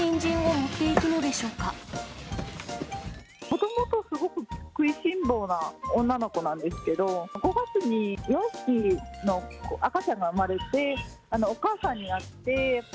もともとすごく食いしん坊な女の子なんですけど、５月に４匹の赤ちゃんが生まれて、お母さんになって。